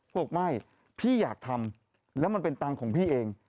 บอกไม่พี่อยากทำแล้วมันเป็นตังค์ของพี่เอง